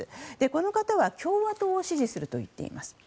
この方は、共和党を支持するといっています。